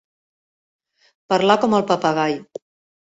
Parlar com el papagai.